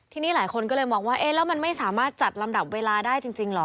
ทีนี้หลายคนก็เลยมองว่าเอ๊ะแล้วมันไม่สามารถจัดลำดับเวลาได้จริงเหรอ